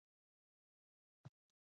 بزګري او مالداري په لومړي سر کې ساده وې.